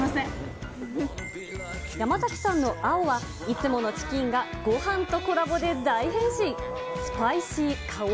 山崎さんの青は、いつものチキンがごはんとコラボで大変身。